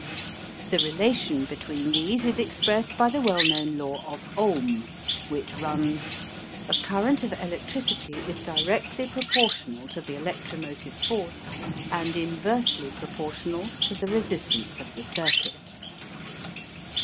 The relation between these is expressed by the well known law of Ohm, which runs: A current of electricity is directly proportional to the electromotive force and inversely proportional to the resistance of the circuit.